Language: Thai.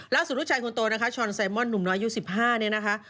แล้วสู่ลูกชายคุณโตนะคะชอนไซมอนหนุ่มน้อยอายุ๑๕นี่นะคะ